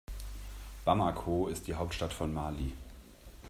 Bamako ist die Hauptstadt von Mali.